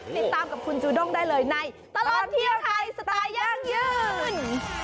ติดตามกับคุณจูด้งได้เลยในตลอดเที่ยวไทยสไตล์ย่างยืน